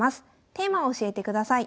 テーマを教えてください。